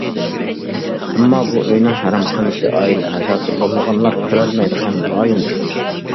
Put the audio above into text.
ئەمما، بۇ ئۆينىڭ ھەرەمخانىسى ئائىلە ئەزاسى بولمىغانلار كۆرەلمەيدىغان رايون ئىدى.